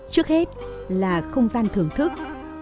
trước hết là không gian thưởng thức